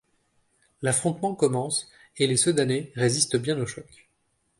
L'affrontement commence et les Sedanais résistent bien au choc.